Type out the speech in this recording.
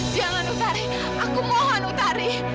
jangan otari aku mohon otari